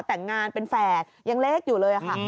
แต่งงานเป็นแฝดยังเล็กอยู่เลยค่ะ